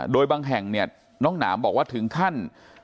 โดยบางแห่งเนี่ยน้องหนามบอกว่าถึงขั้น